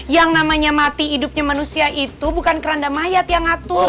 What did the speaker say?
yang namanya mati hidupnya manusia itu bukan keranda mayat yang ngatur